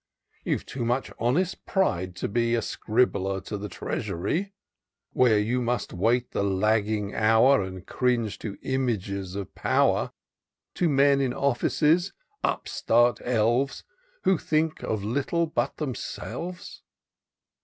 — You've too much honest pride to be A scribbler to the Treasury ; Where you must wait the lagging hour. And cringe to images of power ; To men in office, upstart elves, Who think of little but themselves.